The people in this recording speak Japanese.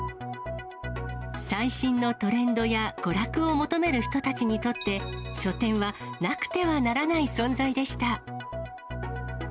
最新のトレンドや娯楽を求める人たちにとって、書店はなくてはならない存在でした。